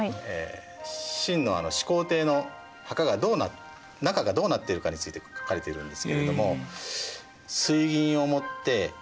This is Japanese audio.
秦の始皇帝の墓が中がどうなっているかについて書かれているんですけれどもと書いてあります。